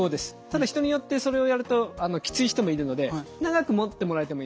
ただ人によってそれをやるときつい人もいるので長く持ってもらってもいいんです。